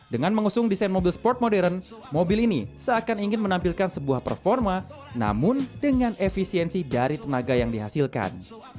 dengan mengusung desain mobil sport modern mobil ini seakan ingin menampilkan sebuah performa namun dengan efisiensi dari tenaga yang dihasilkan